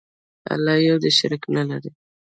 الله یو دی، شریک نه لري.